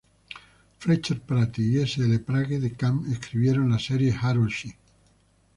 Fletcher Pratt y L. Sprague de Camp escribieron la serie Harold Shea.